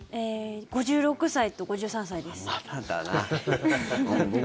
５６歳と５３歳です。